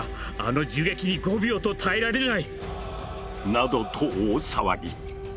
などと大騒ぎ！